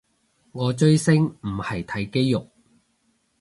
我追星唔係睇肌肉